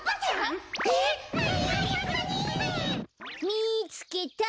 みつけた。